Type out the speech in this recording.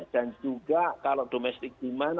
dan juga kalau domestic demand